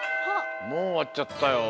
もうおわっちゃったよ。